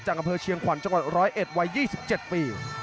อำเภอเชียงขวัญจังหวัด๑๐๑วัย๒๗ปี